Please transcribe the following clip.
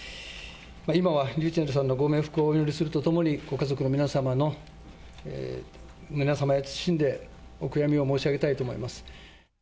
今はｒｙｕｃｈｅｌｌさんのご冥福をお祈りするとともに、ご家族の皆様へ謹んでお悔やみを申し上げたいと思います。